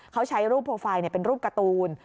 เขาใช้รูปโปรไฟล์เนี่ยเป็นรูปกัตูน